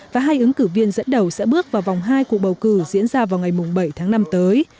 và hai ứng cử viên dẫn đầu sẽ bước vào vòng hai cuộc bầu cử diễn ra vào ngày bảy tháng năm tới